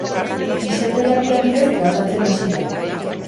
Fisioterapia bidez tratatzen hasi da.